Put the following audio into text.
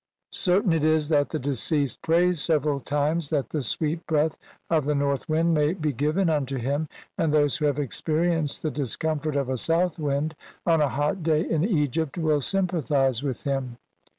Certain it is that the deceased prays several times that the "sweet breath of the north wind" may be given unto him, and those who have experienced the discomfort of a south wind on a hot day in Egypt will sympathize with him.